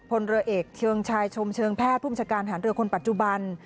พลเรือเอกเชิงชายชมเชิงแพทย์ผู้บัญชาการฐานเรือคนปัจจุบัน